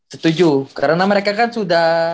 setuju karena mereka kan sudah wni